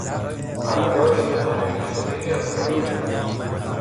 برداشت تحریف شدهای از تاریخ